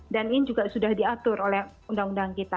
dan ini juga sudah diatur oleh undang undang kita